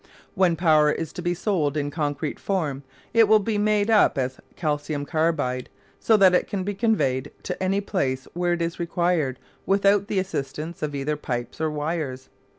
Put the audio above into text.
When power is to be sold in concrete form it will be made up as calcium carbide, so that it can be conveyed to any place where it is required without the assistance of either pipes or wires.